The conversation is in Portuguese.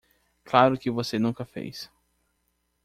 Claro que você nunca fez.